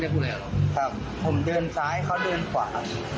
ผมเดินซ้ายเขาเดินขวา